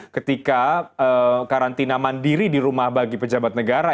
ketika karantina mandiri di rumah bagi pejabat negara